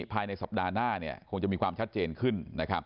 ภายในสัปดาห์หน้าคงจะมีความชัดเจนขึ้น